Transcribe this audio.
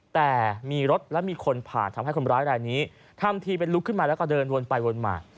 แต่มีรถและมีคนผ่านทำให้คนร้ายรายนี้ทำทีเป็นลุกขึ้นมาแล้วก็เดินวนไปวนมา